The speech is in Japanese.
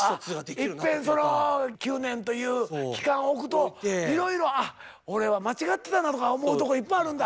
いっぺん９年という期間を置くといろいろあ俺は間違ってたなとか思うとこいっぱいあるんだ。